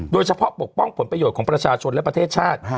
โดยเฉพาะปกป้องผลประโยชน์ของประชาชนและประเทศชาติ